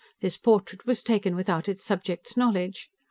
This portrait was taken without its subject's knowledge.